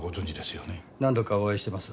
何度かお会いしてます。